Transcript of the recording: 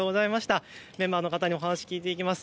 メンバーの方にお話、聞いていきます。